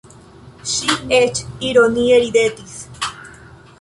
Ŝi eĉ ironie ridetis.